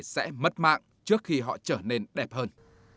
sẽ mất mạng trước khi họ trở nên đẹp hơn